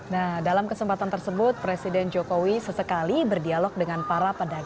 nah dalam kesempatan tersebut presiden jokowi sesekali berdialog dengan para pedagang